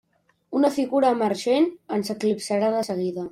Una figura emergent ens eclipsarà de seguida.